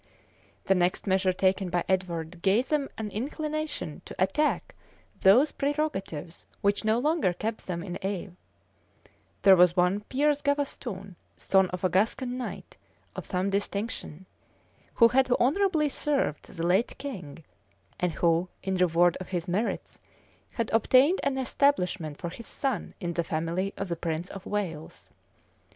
The next measure taken by Edward gave them an inclination to attack those prerogatives which no longer kept them in awe. There was one Piers Gavaston, son of a Gascon knight of some distinction, who had honorably served the late king and who, in reward of his merits, had obtained an establishment for his son in the family of the prince of Wales.